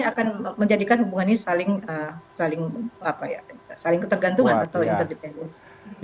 akan menjadikan hubungannya saling saling apa ya saling ketergantungan atau interdependence